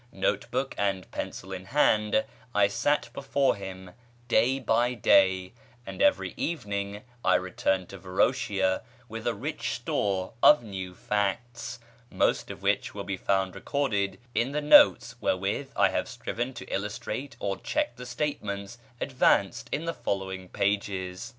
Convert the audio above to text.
Note book and pencil in hand I sat before him day by day; and every evening I returned to Varoshia with a rich store of new facts, most of which will be found recorded in the notes wherewith I have striven to illustrate or check the statements advanced in the following pages.